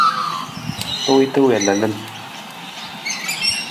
Tuwiita wii lalan.